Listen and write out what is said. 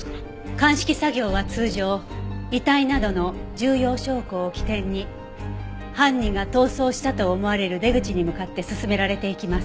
鑑識作業は通常遺体などの重要証拠を起点に犯人が逃走したと思われる出口に向かって進められていきます。